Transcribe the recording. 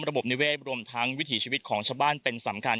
ระบบนิเวศรวมทั้งวิถีชีวิตของชาวบ้านเป็นสำคัญ